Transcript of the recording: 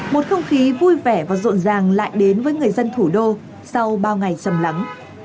một không khí vui vẻ và rộn ràng lại đến với người dân thủ đô sau bao ngày sầm lắng